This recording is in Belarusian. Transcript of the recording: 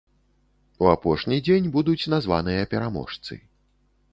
У апошні дзень будуць названыя пераможцы.